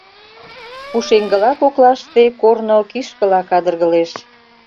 Пушеҥгыла коклаште корно кишкыла кадыргылеш.